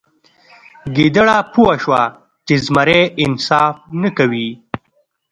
ګیدړه پوه شوه چې زمری انصاف نه کوي.